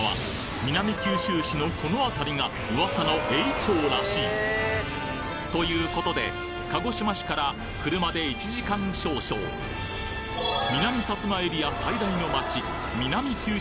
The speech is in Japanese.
南九州市のこの辺りが噂の頴娃町らしいということで鹿児島市から車で１時間少々南薩摩エリア最大の街